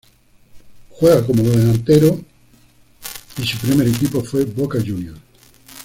Juega como delantero y su primer equipo fue Boca Juniors.